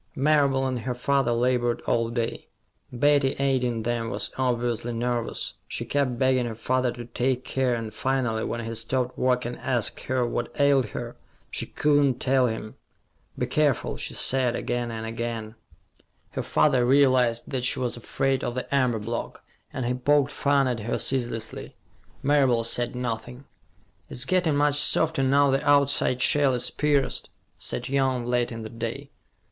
Marable and her father labored all day. Betty, aiding them, was obviously nervous. She kept begging her father to take care, and finally, when he stopped work and asked her what ailed her, she could not tell him. "Be careful," she said, again and again. Her father realized that she was afraid of the amber block, and he poked fun at her ceaselessly. Marable said nothing. "It's getting much softer, now the outside shell is pierced," said Young, late in the day.